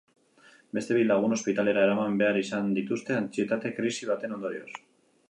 Beste bi lagun ospitalera eraman behar izan dituzte antsietate krisi baten ondorioz.